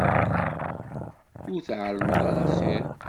Ur tεellmeḍ ara axir.